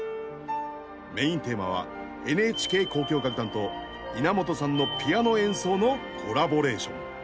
メインテーマはＮＨＫ交響楽団と稲本さんのピアノ演奏のコラボレーション。